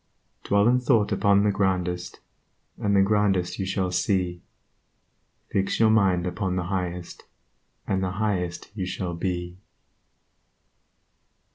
Dwell in thought upon the Grandest, And the Grandest you shall see ; Fix your mind upon the Highest, And the Highest you shall be.